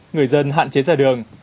người dân hạn chế ra đường